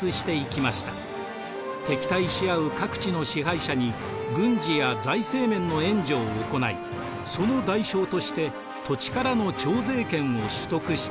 敵対し合う各地の支配者に軍事や財政面の援助を行いその代償として土地からの「徴税権」を取得したのです。